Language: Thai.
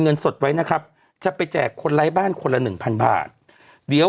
เงินสดไว้นะครับจะไปแจกคนไร้บ้านคนละหนึ่งพันบาทเดี๋ยว